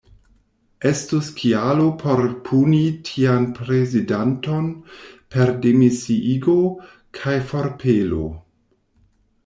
Estus kialo por puni tian prezidanton per demisiigo kaj forpelo.